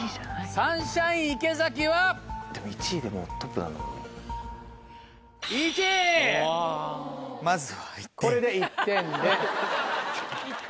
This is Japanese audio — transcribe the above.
サンシャイン池崎は⁉・でも１位でもトップなのか・これで１点で。